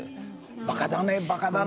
「バカだねバカだね」